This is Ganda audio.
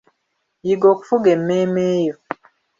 Yiga okufuga emmeeme yo.